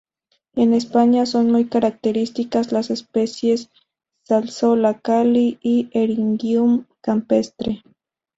En España, son muy características las especies "Salsola kali" y "Eryngium campestre".